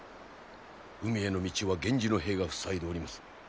海への道は源氏の兵が塞いでおります。